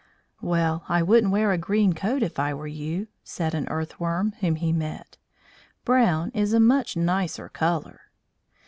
"Well, I wouldn't wear a green coat if I were you," said an Earth worm whom he met. "Brown is a much nicer colour."